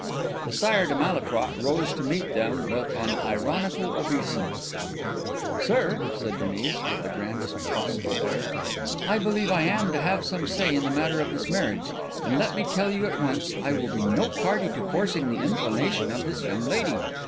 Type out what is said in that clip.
The Sire de Malétroit rose to meet them with an ironical obeisance. "Sir," said Denis, with the grandest possible air, "I believe I am to have some say in the matter of this marriage; and let me tell you at once, I will be no party to forcing the inclination of this young lady.